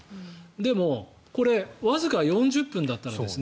でもこれわずか４０分だったら。